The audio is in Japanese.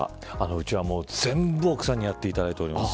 うちは全部、奥さんにやっていただいております。